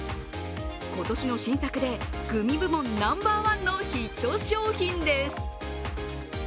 今年の新作で、グミ部門ナンバーワンのヒット商品です。